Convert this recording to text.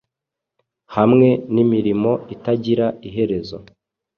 Hamwe nimirimo itagira iherezo